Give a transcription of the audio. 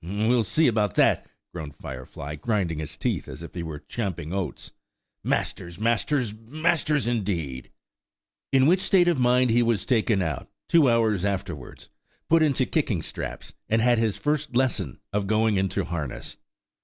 "We shall see about that," groaned Firefly, grinding his teeth as if he were champing oats. "Masters–masters–masters indeed! ..." In which state of mind he was taken out, two hours afterwards, put into kicking straps, and had his first lesson of going into harness.